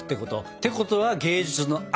てことは芸術の秋！